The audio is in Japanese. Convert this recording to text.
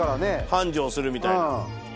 繁盛するみたいな。